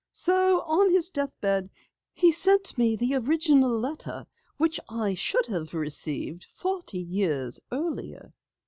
So on his death bed he sent me the original letter which I should have received forty years earlier."